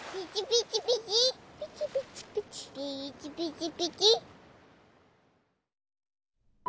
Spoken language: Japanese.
ピチピチピチ。